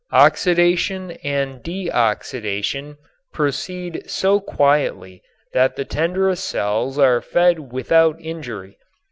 Oxidation and de oxidation proceed so quietly that the tenderest cells are fed without injury.